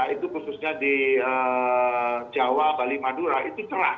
itu khususnya di jawa bali madura itu cerah